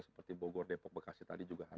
seperti bogor depok bekasi tadi juga ada